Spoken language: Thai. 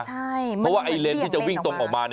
เพราะว่าเลนส์ที่จะวิ่งตรงออกมา